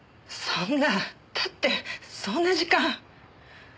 そんなだってそんな時間。